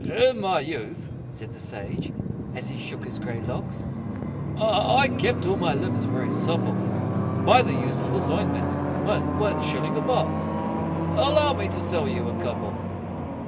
"In my youth," said the sage, as he shook his grey locks, "I kept all my limbs very supple By the use of this ointment one shilling a box Allow me to sell you a couple?"